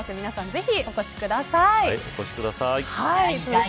ぜひ、お越しください。